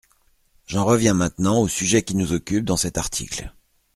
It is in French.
J’en reviens maintenant au sujet qui nous occupe dans cet article.